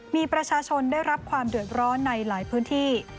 มีประชาชนได้รับความเดือดร้อนในหลายพื้นที่